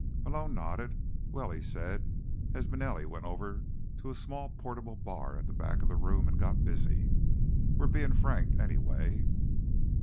Malone nodded. "Well," he said, as Manelli went over to a small portable bar at the back of the room and got busy, "we're being frank, anyway."